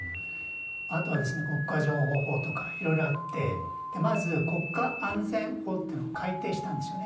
あとは国家情報法とか色々あってまず国家安全法というのを改定したんですね。